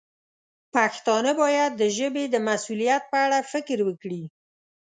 پښتانه باید د ژبې د مسوولیت په اړه فکر وکړي.